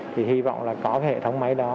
thì hy vọng là có cái hệ thống máy đó